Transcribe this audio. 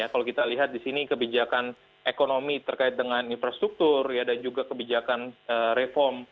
kalau kita lihat di sini kebijakan ekonomi terkait dengan infrastruktur dan juga kebijakan reform